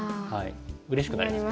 うれしくなりますけど。